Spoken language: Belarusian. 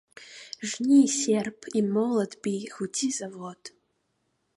Жні, серп, і, молат, бі, гудзі, завод!